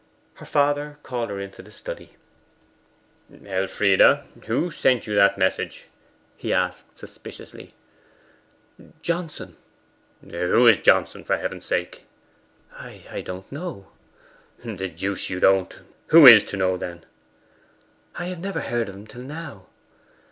Her father called her into the study. 'Elfride, who sent you that message?' he asked suspiciously. 'Johnson.' 'Who is Johnson, for Heaven's sake?' 'I don't know.' 'The deuce you don't! Who is to know, then?' 'I have never heard of him till now.